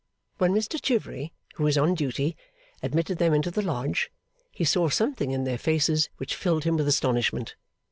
When Mr Chivery, who was on duty, admitted them into the Lodge, he saw something in their faces which filled him with astonishment.